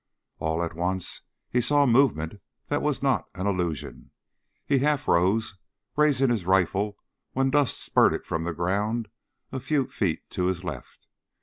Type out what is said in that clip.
All at once he saw movement that was not an illusion. He half rose, raising his rifle when dust spurted from the ground a few feet to his left.